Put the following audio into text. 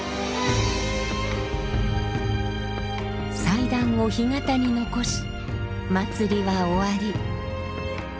祭壇を干潟に残し祭りは終わり。